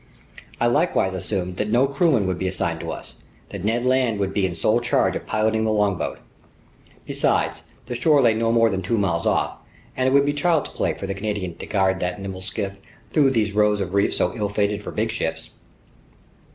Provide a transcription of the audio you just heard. I likewise assumed that no crewmen would be assigned to us, that Ned Land would be in sole charge of piloting the longboat. Besides, the shore lay no more than two miles off, and it would be child's play for the Canadian to guide that nimble skiff through those rows of reefs so ill fated for big ships.